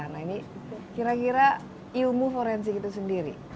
nah ini kira kira ilmu forensik itu sendiri